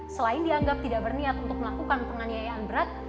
selain dianggap tidak berniat untuk melakukan penganiayaan berat